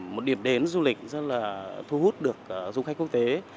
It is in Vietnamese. một điểm đến du lịch rất là thu hút được du khách quốc tế